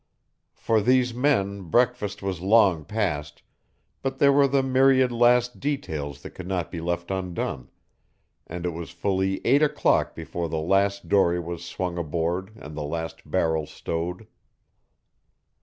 For these men breakfast was long past, but there were the myriad last details that could not be left undone; and it was fully eight o'clock before the last dory was swung aboard and the last barrel stowed.